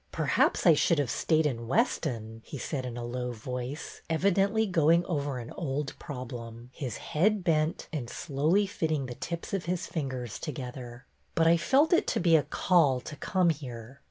Perhaps I should have stayed in Weston," he said, in a low voice, evidently going over an old problem, his head bent, and slowly fitting the tips of his fingers together. But I felt it to be a call to come here.